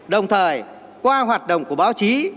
đồng thời qua hoạt động của báo chí